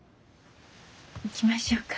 行きましょうか。